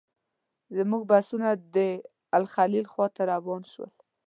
زموږ بسونه د الخلیل خواته روان شول.